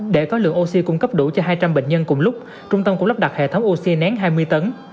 để có lượng oxy cung cấp đủ cho hai trăm linh bệnh nhân cùng lúc trung tâm cũng lắp đặt hệ thống oxy nén hai mươi tấn